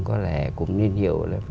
có lẽ cũng nên hiểu